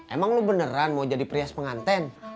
emang lo beneran mau jadi perias penganten